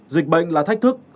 dịch bệnh là thách thức